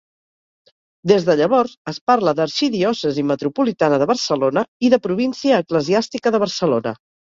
Des de llavors es parla d'arxidiòcesi metropolitana de Barcelona i de província eclesiàstica de Barcelona.